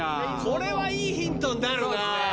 これはいいヒントになるな。